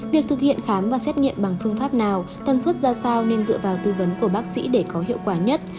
việc thực hiện khám và xét nghiệm bằng phương pháp nào thân suất ra sao nên dựa vào tư vấn của bác sĩ để có hiệu quả nhất